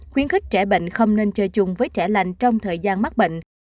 khuyến khích trẻ bệnh không nên chơi chung với trẻ lành trong thời gian mắc bệnh